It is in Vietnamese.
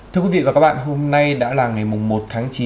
thưa quý vị và các bạn hôm nay đã là ngày một tháng chín